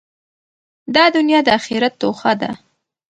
دا دؤنیا د آخرت توښه ده.